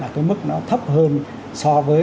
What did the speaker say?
ở cái mức nó thấp hơn so với